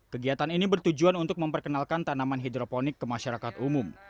kegiatan ini bertujuan untuk memperkenalkan tanaman hidroponik ke masyarakat umum